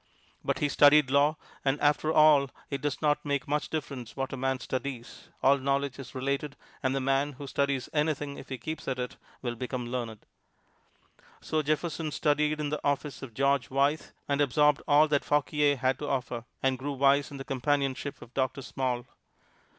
But he studied law, and after all it does not make much difference what a man studies all knowledge is related, and the man who studies anything if he keeps at it will become learned. So Jefferson studied in the office of George Wythe, and absorbed all that Fauquier had to offer, and grew wise in the companionship of Doctor Small.